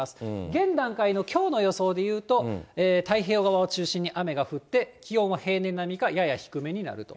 現段階のきょうの予想でいうと、太平洋側を中心に雨が降って、気温は平年並みかやや低めになると。